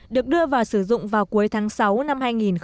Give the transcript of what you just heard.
được đưa vào sử dụng vào cuối tháng sáu năm hai nghìn một mươi chín